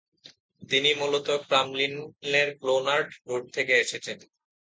তিনি মূলত ক্রামলিনের ক্লোনার্ড রোড থেকে এসেছেন।